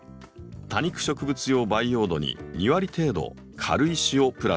多肉植物用培養土に２割程度軽石をプラスしてください。